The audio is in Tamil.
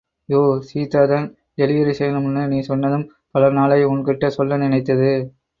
யோவ்... சீதாதான், டெலிவரி செய்யனுமுன்னு நீ சொன்னதும், பல நாளாய் ஒன்கிட்டே சொல்ல நினைத்தது.